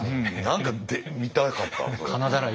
何か見たかったそれ。